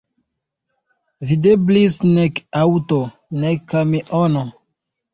Videblis nek aŭto, nek kamiono.